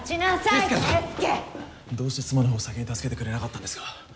どうして妻の方を先に助けてくれなかったんですか？